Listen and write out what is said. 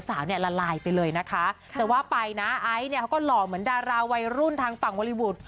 เนี่ยละลายไปเลยนะคะแต่ว่าไปนะไอซ์เนี่ยเขาก็หล่อเหมือนดาราวัยรุ่นทางฝั่งวอลลีวูด